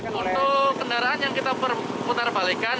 untuk kendaraan yang kita putar balikan